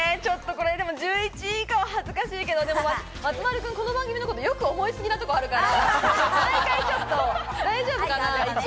１１位以下は恥ずかしいけど、松丸さん、この番組のこと、よく思いすぎなとこあるから、大丈夫かな？